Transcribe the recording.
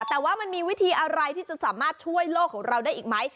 แต่ว่ามันมีวิธีอะไรที่จะสามารถช่วยโลกของเราได้อีกไหม